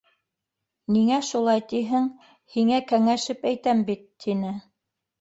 — Ниңә шулай тиһең, һиңә кәңәшеп әйтәм бит! — тине.